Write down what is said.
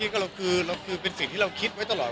เราคิดเป็นสิ่งที่เรามีตลอดว่า